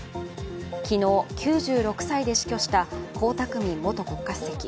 昨日、９６歳で死去した江沢民元国家主席。